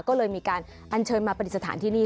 ก็เลยมีการอัญเชิญมาปฏิสถานที่นี่